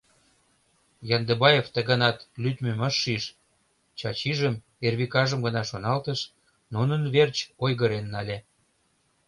Яндыбаев ты ганат лӱдмым ыш шиж, Чачижым, Эрвикажым гына шоналтыш, нунын верч ойгырен нале.